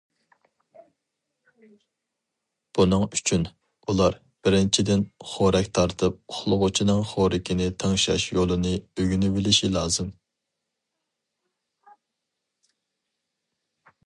بۇنىڭ ئۈچۈن، ئۇلار، بىرىنچىدىن، خورەك تارتىپ ئۇخلىغۇچىنىڭ خورىكىنى تىڭشاش يولىنى ئۆگىنىۋېلىشى لازىم.